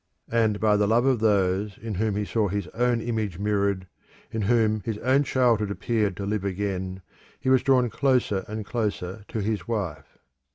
And by the love of those in whom he saw his own image mirrored, in whom his own childhood appeared to live again, he was drawn closer and closer to his wife.